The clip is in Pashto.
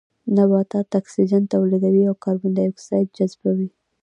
نباتات اکسيجن توليدوي او کاربن ډای اکسايد جذبوي